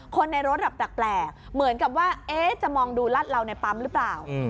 คนในรถแปลกเหมือนกับว่าจะมองดูรัดเราในปั๊มหรือเปล่า